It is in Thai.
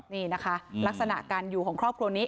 นี่นะคะลักษณะการอยู่ของครอบครัวนี้